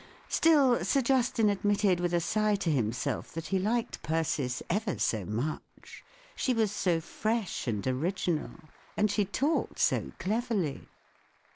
Still, Sir Justin admitted with a sigh to himself that he liked Persis ever so much ; she was so fresh and original ! and she talked so cleverly